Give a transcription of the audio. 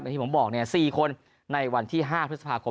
อย่างที่ผมบอกเนี่ย๔คนในวันที่๕พฤษภาคม